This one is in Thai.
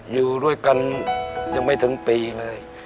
อยู่ด้วยกันยังไม่ถึงปีเลย